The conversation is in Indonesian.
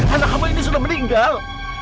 anak hama ini sudah meninggal